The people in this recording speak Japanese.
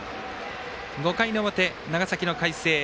５回の表、長崎の海星。